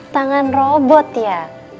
tangan robot ya